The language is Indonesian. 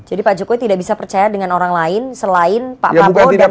jadi pak jokowi tidak bisa percaya dengan orang lain selain pak prabowo dan anaknya